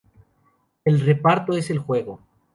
El reparto es el juego.